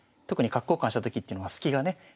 特に角交換したときっていうのはスキがね